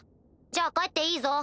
じゃあ帰っていいぞ。